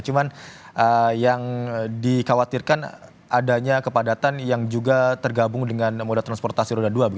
cuma yang dikhawatirkan adanya kepadatan yang juga tergabung dengan moda transportasi roda dua